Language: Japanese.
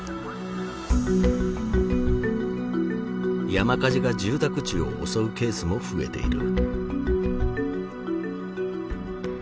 山火事が住宅地を襲うケースも増えている。